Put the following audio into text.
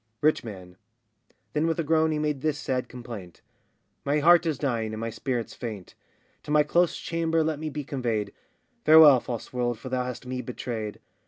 RICH MAN. [Then with a groan he made this sad complaint]: My heart is dying, and my spirits faint; To my close chamber let me be conveyed; Farewell, false world, for thou hast me betrayed.